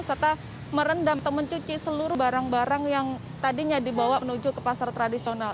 serta merendam atau mencuci seluruh barang barang yang tadinya dibawa menuju ke pasar tradisional